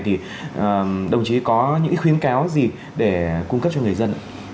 thì đồng chí có những khuyến cáo gì để cung cấp cho người dân